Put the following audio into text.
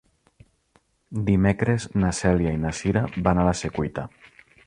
Dimecres na Cèlia i na Cira van a la Secuita.